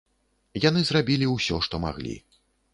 Яны зрабілі ўсё, што маглі.